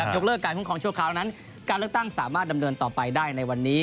ยกเลิกการคุ้มครองชั่วคราวนั้นการเลือกตั้งสามารถดำเนินต่อไปได้ในวันนี้